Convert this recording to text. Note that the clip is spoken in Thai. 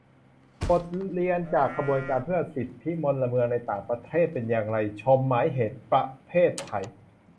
บทเรียนจากขบวนการเพื่อสิทธิพลเมืองในต่างประเทศเป็นอย่างไร - ชม หมายเหตุประเพทไทย